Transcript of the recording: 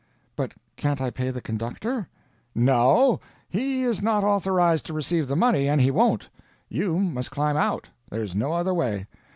"But can't I pay the conductor?" "No, he is not authorized to receive the money, and he won't. You must climb out. There's no other way.